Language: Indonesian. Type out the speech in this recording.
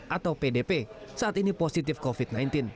atau pdp saat ini positif covid sembilan belas